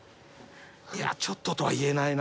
「いやちょっと」とは言えないな。